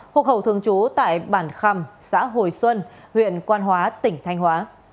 hộ hậu thường trú tại bản khăm xã hồi xuân huyện quan hóa tỉnh thanh hóa